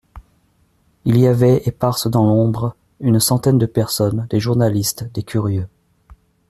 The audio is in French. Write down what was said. Il y avait, éparses dans l'ombre, une centaine de personnes, des journalistes, des curieux.